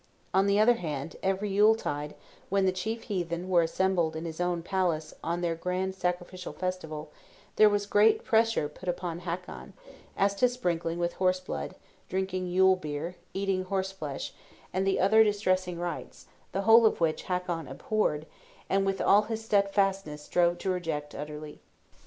On the other hand, every Yule tide, when the chief heathen were assembled in his own palace on their grand sacrificial festival, there was great pressure put upon Hakon, as to sprinkling with horse blood, drinking Yule beer, eating horse flesh, and the other distressing rites; the whole of which Hakon abhorred, and with all his steadfastness strove to reject utterly.